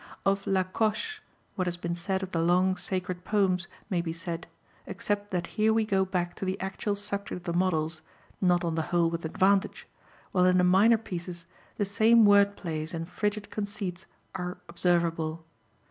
Of La Coche, what has been said of the long sacred poems may be said, except that here we go back to the actual subject of the models, not on the whole with advantage: while in the minor pieces the same word plays and frigid conceits are observable.